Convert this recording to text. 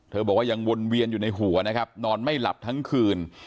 บอกว่ายังวนเวียนอยู่ในหัวนะครับนอนไม่หลับทั้งคืน